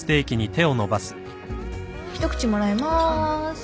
一口もらいまーす。